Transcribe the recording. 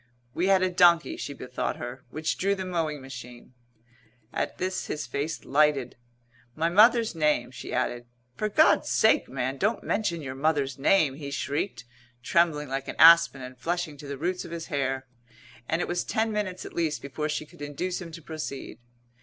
"We had a donkey," she bethought her, "which drew the mowing machine." At this his face lighted. "My mother's name " she added. "For God's sake, man, don't mention your mother's name!" he shrieked, trembling like an aspen and flushing to the roots of his hair, and it was ten minutes at least before she could induce him to proceed.